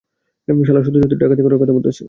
শালা, সত্যি সত্যি ডাকাতি করার কথা বলতেসে।